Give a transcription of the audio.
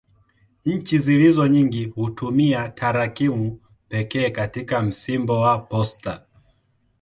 Nchi zilizo nyingi hutumia tarakimu pekee katika msimbo wa posta.